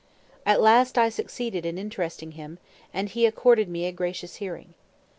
At last I succeeded in interesting him, and he accorded me a gracious hearing.